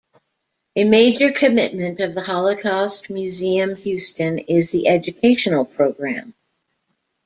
A major commitment of the Holocaust Museum Houston is the educational program.